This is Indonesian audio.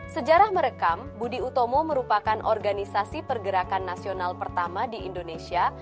sejarah merekam budi utomo merupakan organisasi pergerakan nasional pertama di indonesia